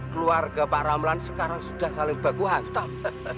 keluarga pak ramlan sekarang sudah saling baku hantam